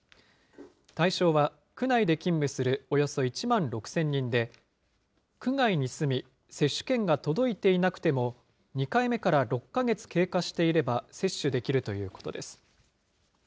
対象は区内で勤務するおよそ１万６０００人で、区外に住み、接種券が届いていなくても、２回目から６か月経過していれば接種できるということです。